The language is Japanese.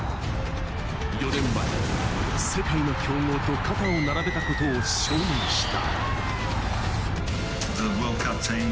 ４年前、世界の強豪と肩を並べたことを証明した。